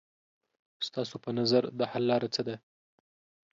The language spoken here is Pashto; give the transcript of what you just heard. ستاسو په نظر د حل لاره څه ده؟